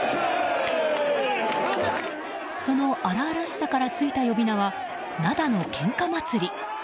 その荒々しさからついた呼び名は灘のけんか祭り。